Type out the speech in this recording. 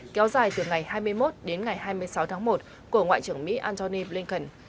kéo dài từ ngày hai mươi một đến ngày hai mươi sáu tháng một của ngoại trưởng mỹ antony blinken